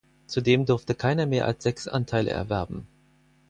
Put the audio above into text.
Zudem durfte keiner mehr als sechs Anteile erwerben.